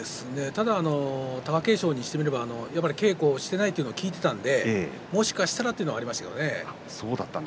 ただ、貴景勝にしてみれば稽古していないというのを聞いていたので、もしかしたらというのはありましたけれどもね。